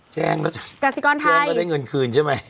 แจ้งแล้วได้เงินคืนใช่มัย